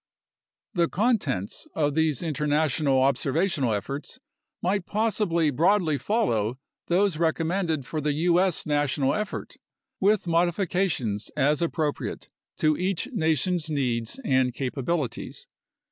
The contents of these international observational efforts might possibly broadly follow those recommended for the U.S. national effort, with modifications as appropriate to each nation's needs and capabilities.